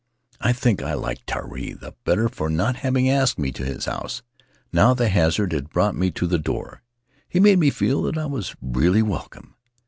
I think I liked Tari the better for not having asked me to his house; now that hazard had brought me to the door, he made me feel that I was really welcome.